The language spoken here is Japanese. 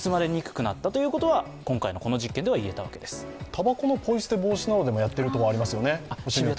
たばこのポイ捨て防止などでも同じようなことをやってるところありますよね。